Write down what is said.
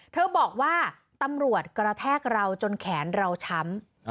เธอบอกว่าตำรวจกระแทกเราจนแขนเราช้ำ